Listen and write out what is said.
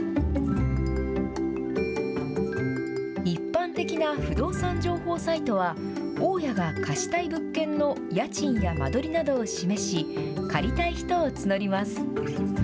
一般的な不動産情報サイトは、大家が貸したい物件の家賃や間取りなどを示し、借りたい人を募ります。